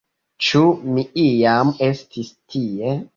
Ĉu mi iam estis tie?